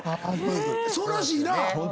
そうらしいな。